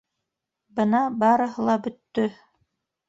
Бына барыһы ла бөттө!